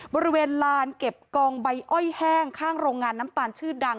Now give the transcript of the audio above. บริเวณลานเก็บกองใบอ้อยแห้งข้างโรงงานน้ำตาลชื่อดัง